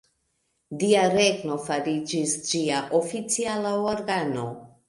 Dia Regno fariĝis ĝia oficiala organo.